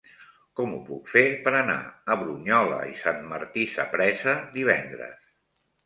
Com ho puc fer per anar a Brunyola i Sant Martí Sapresa divendres?